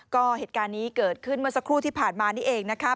ก็เหตุการณ์นี้เกิดขึ้นเมื่อสักครู่ที่ผ่านมานี่เองนะคะ